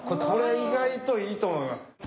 これ意外といいと思います。